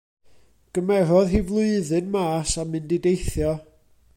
Gymerodd hi flwyddyn mas a mynd i deithio.